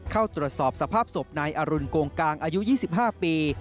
เข้าตรวจสอบสภาพศพนายอรุณโกงกางอายุ๒๕ปี